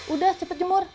udah cepet jemur